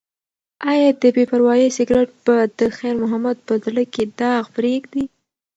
ایا د بې پروایۍ سګرټ به د خیر محمد په زړه کې داغ پریږدي؟